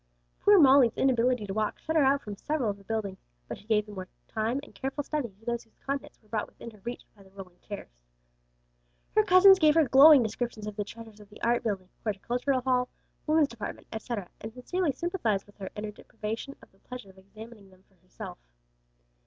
Poor Molly's inability to walk, shut her out from several of the buildings, but she gave the more time and careful study to those whose contents were brought within her reach by the rolling chairs. Her cousins gave her glowing descriptions of the treasures of the Art building, Horticultural Hall, Women's Department, etc., and sincerely sympathized with her in her deprivation of the pleasure of examining them for herself.